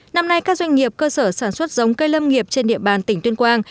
năm nay các doanh nghiệp cơ sở sản xuất giống cây lâm nghiệp trên địa bàn tỉnh tuyên quang